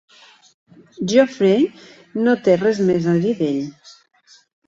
Geoffrey no té res més a dir d'ell.